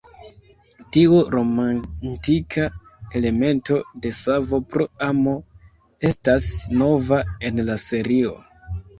Tiu romantika elemento de savo pro amo estas nova en la serio.